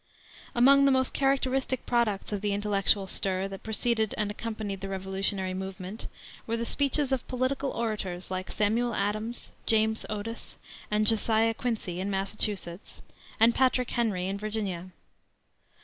Among the most characteristic products of the intellectual stir that preceded and accompanied the revolutionary movement, were the speeches of political orators like Samuel Adams, James Otis, and Josiah Quincy in Massachusetts, and Patrick Henry in Virginia.